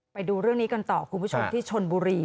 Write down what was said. ไปดูเรื่องนี้กันต่อคุณผู้ชมที่ชนบุรี